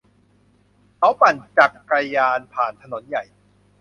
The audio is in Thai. เขาปั่นจักรยานผ่านถนนใหญ่